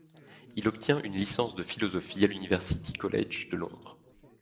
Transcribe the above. Il obtient une licence de philosophie à l'University College de Londres.